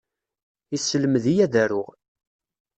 Yesselmed-iyi ad aruɣ.